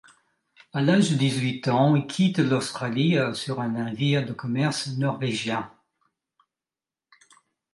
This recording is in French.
A l'âge de dix-huit ans, il quitte l'Australie sur un navire de commerce norvégien.